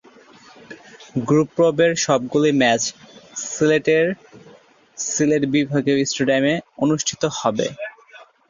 Group পর্বের সবগুলি match সিলেটের সিলেট বিভাগীয় স্টেডিয়ামে অনুষ্ঠিত হবে।